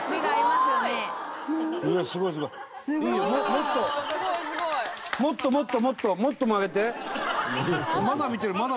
もっともっともっともっともっと曲げて。